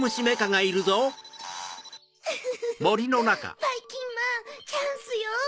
ウフフばいきんまんチャンスよ！